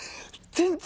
全然！